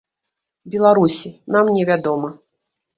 Беларусі, нам не вядома.